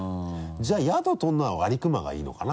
じゃあ宿取るのは安里隈がいいのかな？